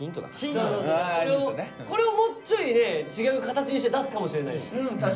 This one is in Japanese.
これをもうちょいね違う形にして出すかもしれないし。